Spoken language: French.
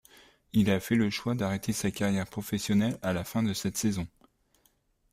Il fait le choix d'arrêter sa carrière professionnelle à la fin de cette saison.